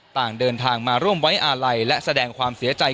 ต่างเดินทางมาร่วมไว้อาลัยและแสดงความเสียใจ